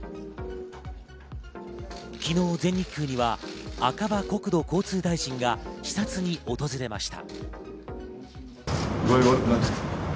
昨日、全日空には赤羽国土交通大臣が視察に訪れました。